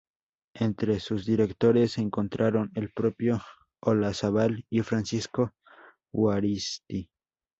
Entre sus directores se encontraron el propio Olazábal y Francisco Juaristi.